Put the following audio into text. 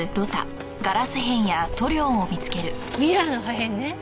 ミラーの破片ね。